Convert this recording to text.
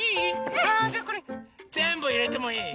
あじゃあこれぜんぶいれてもいい？